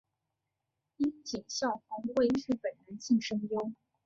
樱井孝宏为日本男性声优。